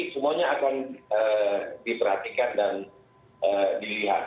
semuanya akan diperhatikan dan dilihat